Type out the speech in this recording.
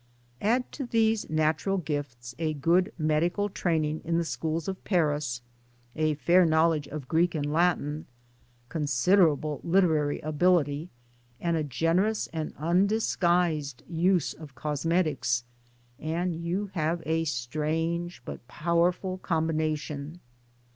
Add to these natural gifts a good medical training in the Schools of Paris, a fair knowledge of Greek PERSONALITIES 243 and Latin, considerable literary ability and a generous and undisguised use of cosmetics, and you have a strange but powerful combination.